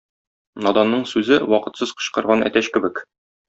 Наданның сүзе вакытсыз кычкырган әтәч кебек.